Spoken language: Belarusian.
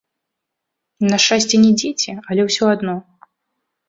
На шчасце, не дзеці, але ўсё адно.